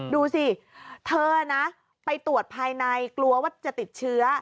ดูสิเธอนะไปตรวจภายในกลัวว่าจะติดเชื้อ